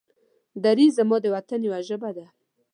دري زما د وطن يوه ژبه ده.